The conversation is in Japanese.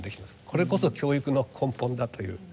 これこそ教育の根本だという。